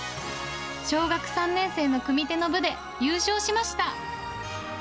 小学３年生の組手の部で優勝しました。